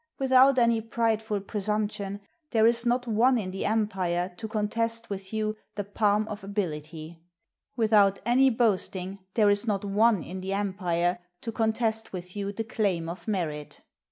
Without any prideful presumption, there is not one in the empire to contest with you the palm of ability; without any boast ing, there is not one in the empire to contest with you the claim of merit.